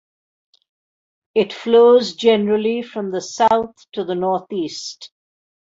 It flows generally from the south to the north-east.